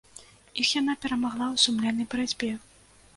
Іх яна перамагла ў сумленнай барацьбе.